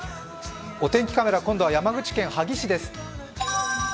お天気カメラ、今度は山口県萩市です。